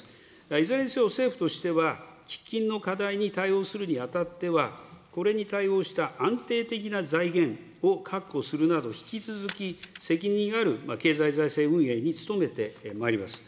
いずれにせよ政府としては、喫緊の課題に対応するにあたっては、これに対応した安定的な財源を確保するなど、引き続き責任ある経済財政運営に努めてまいります。